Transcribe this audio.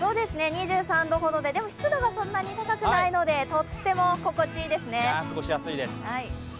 ２３度ほどで、でも、湿度がそんなに高くないのでとっても心地いいですね。